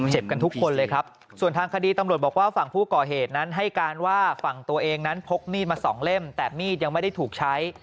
กันทุกคนเลยครับส่วนทางคดีตำรวจบอกว่าฝั่งผู้ก่อเหตุนั้นให้การว่าฝั่งตัวเองนั้นพกมีดมาสองเล่มแต่มีดยังไม่ได้ถูกใช้